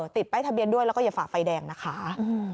ติดป้ายทะเบียนด้วยแล้วก็อย่าฝ่าไฟแดงนะคะ